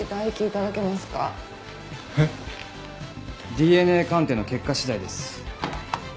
ＤＮＡ鑑定の結果次第です。